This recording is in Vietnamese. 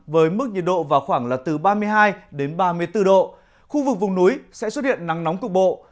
với mức nhiệt độ vào khoảng là từ ba mươi hai đến ba mươi bốn độ khu vực vùng núi sẽ xuất hiện nắng nóng cục bộ